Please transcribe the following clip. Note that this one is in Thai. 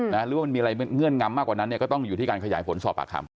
หรือว่ามันมีอะไรเงื่อนงำมากกว่านั้นเนี่ยก็ต้องอยู่ที่การขยายผลสอบปากคำ